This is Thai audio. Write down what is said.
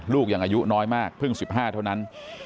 ลูกยังอายุน้อยมากเพิ่ง๑๕เท่านั้น